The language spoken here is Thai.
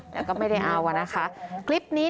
แล้วก็ไม่ได้เอาอะนะคะคลิปนี้เนี่ย